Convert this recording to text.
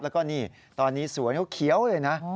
แล้วก็นี่ตอนนี้สวนเขาเขียวเลยนะ